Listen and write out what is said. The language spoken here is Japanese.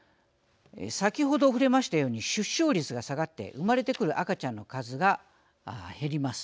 先ほど、触れましたように出生率が下がって産まれてくる赤ちゃんの数が減ります。